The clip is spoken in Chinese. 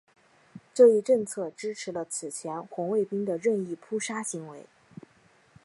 这一政策支持了此前红卫兵的任意扑杀行为。